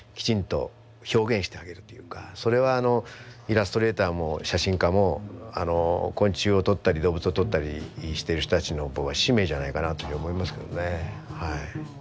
それはイラストレーターも写真家も昆虫をとったり動物をとったりしてる人たちの僕は使命じゃないかなというふうに思いますけどね。